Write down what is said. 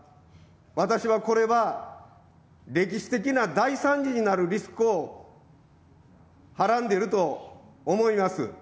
私はこれは歴史的な大惨事になるリスクをはらんでいると思います。